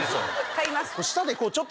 買います。